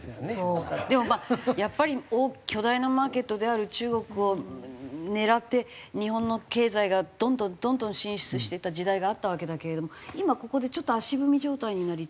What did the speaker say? でもまあやっぱり巨大なマーケットである中国を狙って日本の経済がどんどんどんどん進出していった時代があったわけだけれども今ここでちょっと足踏み状態になりつつある感じはあるんですか。